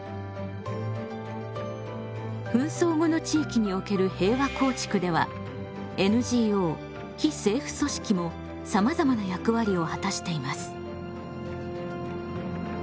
紛争後の地域における平和構築ではＮＧＯもさまざまな役割を果たしています。